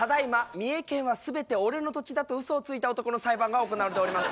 「三重県は全て俺の土地だ」とウソをついた男の裁判が行われております。